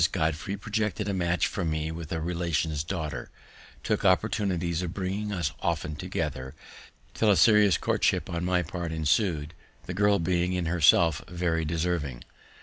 Godfrey projected a match for me with a relation's daughter, took opportunities of bringing us often together, till a serious courtship on my part ensu'd, the girl being in herself very deserving.